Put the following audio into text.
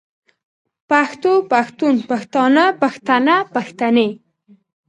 پښتو پښتون پښتانۀ پښتنه پښتنې